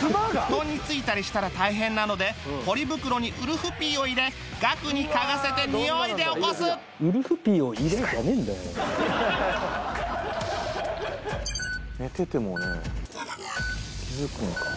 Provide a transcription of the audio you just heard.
布団についたりしたら大変なのでポリ袋にウルフピーを入れガクに嗅がせてにおいで起こす寝ててもね気づくのか？